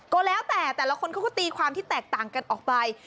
ก็แล้วแต่แต่ละคนเขาก็ตีความที่แตกต่างกันออกไป